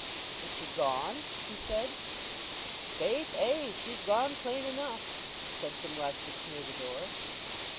"Is she gone?" he said. "Faith, ay! she's gone clane enough," said some rustics near the door.